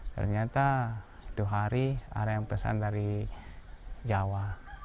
ternyata itu hari ada yang pesan dari jawa